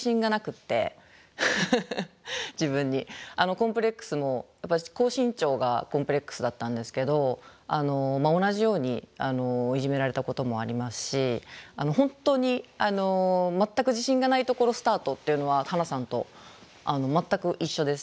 コンプレックスも私高身長がコンプレックスだったんですけど同じようにいじめられたこともありますし本当に全く自信がないところスタートっていうのはハナさんと全く一緒です。